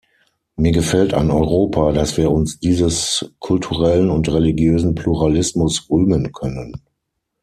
Mir gefällt an Europa, dass wir uns dieses kulturellen und religiösen Pluralismus rühmen können.